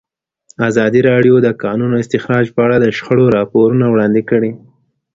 ازادي راډیو د د کانونو استخراج په اړه د شخړو راپورونه وړاندې کړي.